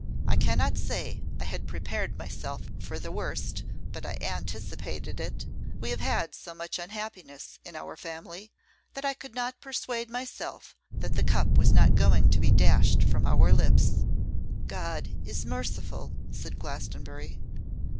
I cannot say I had prepared myself for the worst, but I anticipated it. We have had so much unhappiness in our family, that I could not persuade myself that the cup was not going to be dashed from our lips.' 'God is merciful,' said Glastonbury.